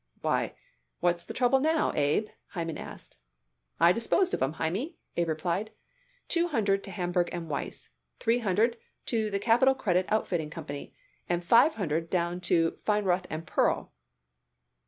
"Why, what's the trouble now, Abe?" Hyman asked. "I disposed of 'em, Hymie," Abe replied. "Two hundred to Hamburg and Weiss. Three hundred to the Capitol Credit Outfitting Company, and five hundred to Feinroth and Pearl."